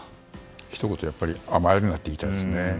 ひと言、甘えるなって言いたいですね。